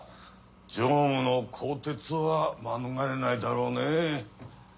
常務の更迭は免れないだろうね。